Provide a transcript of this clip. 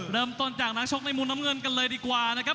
เริ่มต้นจากนักชกในมุมน้ำเงินกันเลยดีกว่านะครับ